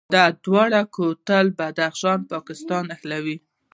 د دوراه کوتل بدخشان او پاکستان نښلوي